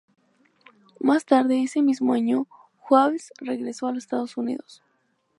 Más tarde ese mismo año, Hawes regresó a los Estados Unidos.